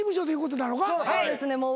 そうですね